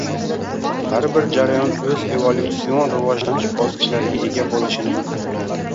Har bir jarayon o‘z evolyutsion rivojlanish bosqichlariga ega bo‘lishini